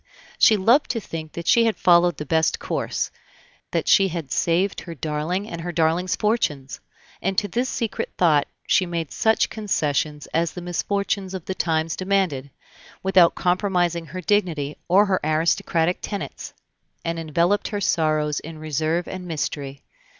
She loved to think that she had followed the best course, that she had saved her darling and her darling's fortunes; and to this secret thought she made such concessions as the misfortunes of the times demanded, without compromising her dignity or her aristocratic tenets, and enveloped her sorrows in reserve and mystery.